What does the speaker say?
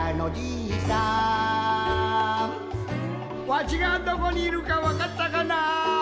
わしがどこにいるかわかったかな？